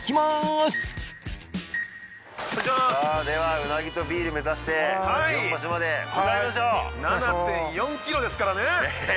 ではうなぎとビール目指して日本橋まで向かいましょう７．４ｋｍですからねえ